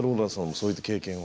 そういった経験は。